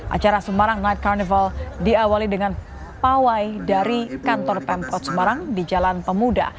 acara semarang night carnival diawali dengan pawai dari kantor pemkot semarang di jalan pemuda